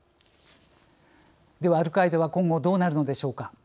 では、アルカイダは今後どうなるのでしょうか。